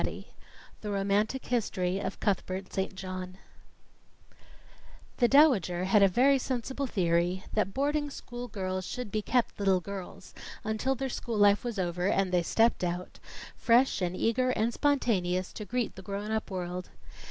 II The Romantic History of Cuthbert St. John "The Dowager" had a very sensible theory that boarding school girls should be kept little girls, until their school life was over, and they stepped out, fresh and eager and spontaneous, to greet the grown up world.